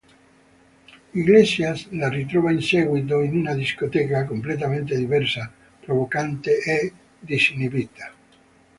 Iglesias la ritrova in seguito in una discoteca, completamente diversa, provocante e disinibita.